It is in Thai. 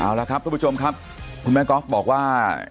เอาละครับทุกผู้ชมครับคุณแม่ก๊อฟบอกว่า